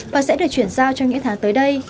và sẽ được chuyển giao cho những tháng tới đây